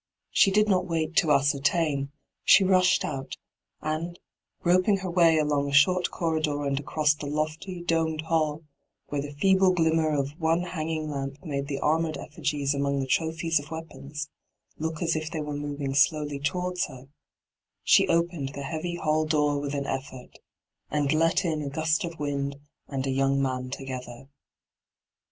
She did not wait to ascertain ; she rushed out, and, groping her way along a short corridor and across the lofty, domed hall, where the feeble glimmer of one hanging lamp made the armoured effigies among the trophies of weapons look as if they were moving slowly towards her, she opened the heavy hall door with on effort, hyGoot^le , .8 ENTRAPPED and let in a gust of wind and a young man together.